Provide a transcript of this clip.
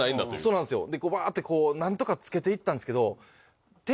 何とかつけていったんですけど。